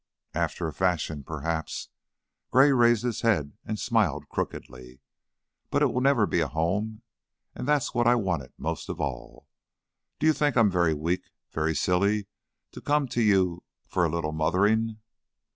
"After a fashion, perhaps" Gray raised his head and smiled crookedly "but it will never be a home, and that's what I wanted most of all. Do you think I'm very weak, very silly to come to you for a little mothering?"